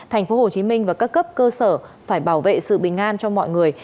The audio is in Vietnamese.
tp hcm và các cấp cơ sở phải bảo vệ sự bình an cho mọi người